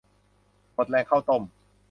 หมดแรงข้าวต้ม